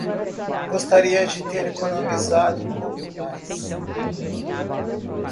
Gostaria de ter economizado um pouco mais